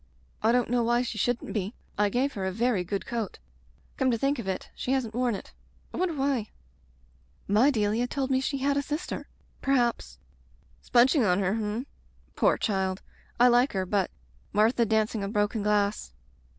"I don't know why she shouldn't be. I gave her a very good coat. Come to think of it, she hasn't worn it. I wonder why ?" "My Delia told me she had a sister. Per haps " "Sponging on her — ^hmmm. Poor child! I like her — ^but, Martha dancing on broken glass.